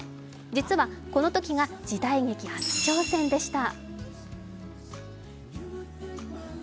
実はこのときが時代劇初挑戦でした。